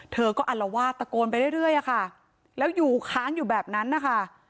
เธอก็อัลวาดตะโกนไปเรื่อยอะค่ะแล้วอยู่ค้างอยู่แบบนั้นนะคะ